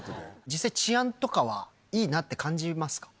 実際治安とかはいいなって感じますか？